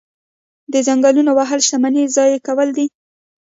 د ځنګلونو وهل شتمني ضایع کول دي.